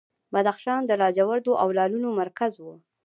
بدخشان د لاجوردو او لعلونو مرکز و